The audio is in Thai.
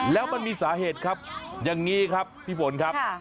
แล้วมันมีสาเหตุครับอย่างนี้ครับพี่ฝนครับ